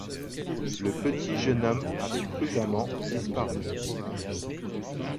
Le petit jeune homme avait prudemment disparu.